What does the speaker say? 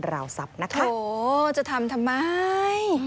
ราวทรัพย์นะคะโอ้จะทำทำไม